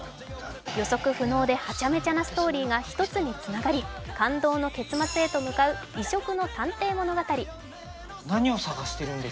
予測不能ではちゃめちゃなストーリーが、一つにつながり感動の結末へと向かう異色の探偵物語。